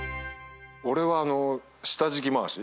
俺は下敷き回し？